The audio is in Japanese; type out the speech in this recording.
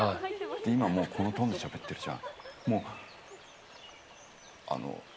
今もうこのトーンでしゃべってるじゃん。